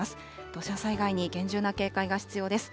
土砂災害に厳重な警戒が必要です。